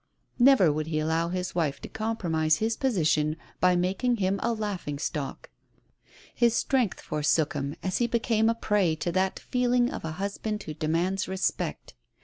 Never would he allow his wife to compromise his position by making him a laughing stock. Ilis strength forsook him as he became a prey to that feeling of a husband who demands respect.